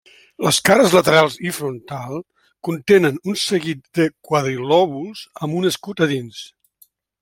Les cares laterals i frontal contenen un seguit de quadrilòbuls amb un escut a dins.